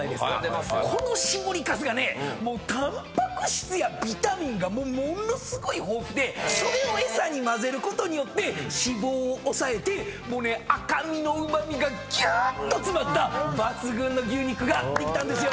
この搾りかすがねタンパク質やビタミンがものすごい豊富でそれを餌に混ぜることによって脂肪を抑えてもうね赤身のうま味がぎゅーっと詰まった抜群の牛肉ができたんですよ。